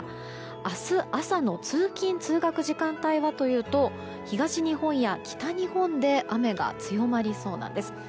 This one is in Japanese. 明日朝の通勤・通学時間帯はというと東日本や北日本で雨が強まりそうなんです。